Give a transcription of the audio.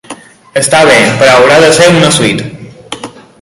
Està bé, però haurà de ser una suite.